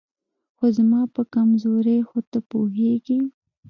خو زما په کمزورۍ خو ته پوهېږې